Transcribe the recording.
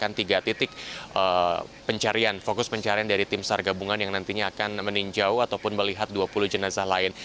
karena memang di tiga titik pencarian fokus pencarian dari tim sar gabungan yang nantinya akan meninjau ataupun melihat dua puluh jenazah lain